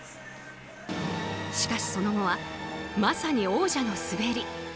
しかし、その後はまさに王者の滑り。